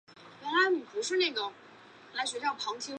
长渊线